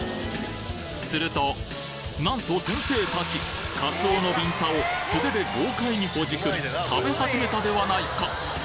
すると、なんと先生たち、カツオのビンタを素手で豪快にほじくり、食べ始めたではないか。